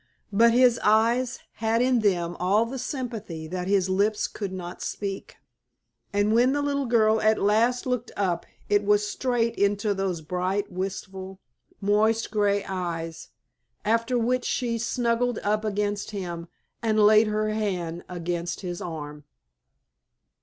But his eyes had in them all the sympathy that his lips could not speak, and when the little girl at last looked up it was straight into those bright, wistful, moist grey eyes, after which she snuggled up against him and laid her head against his arm.